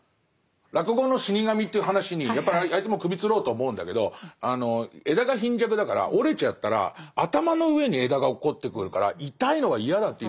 落語の「死神」という話にやっぱりあいつも首つろうと思うんだけど枝が貧弱だから折れちゃったら頭の上に枝が落っこってくるから痛いのが嫌だって言いだすの。